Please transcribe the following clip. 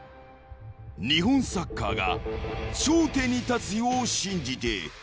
［日本サッカーが頂点に立つ日を信じて］